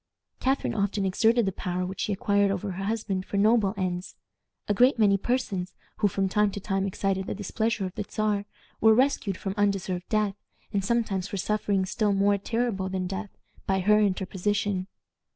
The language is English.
Catharine often exerted the power which she acquired over her husband for noble ends. A great many persons, who from time to time excited the displeasure of the Czar, were rescued from undeserved death, and sometimes from sufferings still more terrible than death, by her interposition.